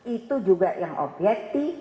itu juga yang objektif